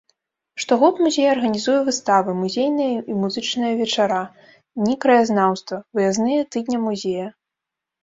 Штогод музей арганізуе выставы, музейныя і музычныя вечара, дні краязнаўства, выязныя тыдня музея.